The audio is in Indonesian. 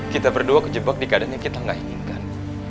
kita berdua kejebak di keadaan yang kita gak inginkan